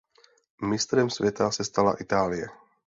Mistrem světa se stala Itálie.